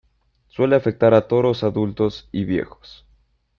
Suele afectar a toros adultos y viejos.